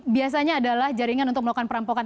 biasanya adalah jaringan untuk melakukan perampokan